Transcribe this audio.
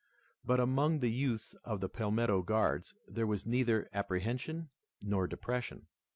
But among the youths of the Palmetto Guards there was neither apprehension nor depression.